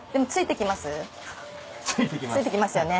ついてきますよね。